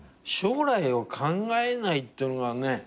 将来を考えないっていうのがね